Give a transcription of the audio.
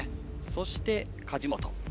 そして、梶本。